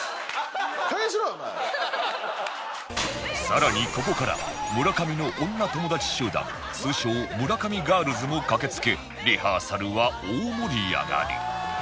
更にここから村上の女友達集団通称村上ガールズも駆けつけリハーサルは大盛り上がり